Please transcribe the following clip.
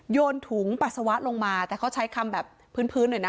โยนถุงปัสสาวะลงมาแต่เขาใช้คำแบบพื้นหน่อยนะ